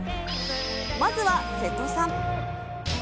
まずは瀬戸さん。